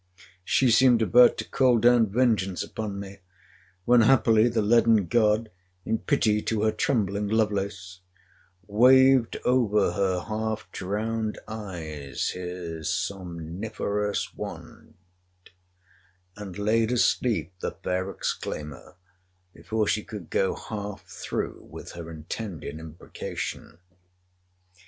She seemed about to call down vengeance upon me; when, happily the leaden god, in pity to her trembling Lovelace, waved over her half drowned eyes his somniferous wand, and laid asleep the fair exclaimer, before she could go half through with her intended imprecation.